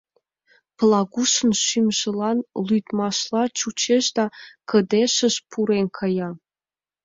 Плагушын шӱмжылан лӱдмашла чучеш да, кыдежыш пурен кая.